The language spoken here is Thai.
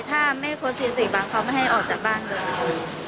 ถ้าไม่โค้ดสิบสี่วันเขาไม่ให้ออกจากบ้านเลย